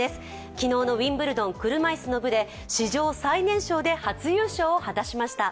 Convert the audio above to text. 昨日のウィンブルドン車いすの部で史上最年少で初優勝を果たしました。